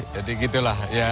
jadi gitu lah